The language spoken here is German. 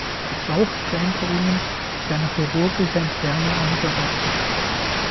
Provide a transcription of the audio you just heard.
Bei solchen Veränderungen ist eine chirurgische Entfernung angeraten.